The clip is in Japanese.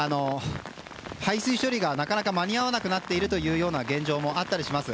排水処理がなかなか間に合わなくなっているという現状もあったりします。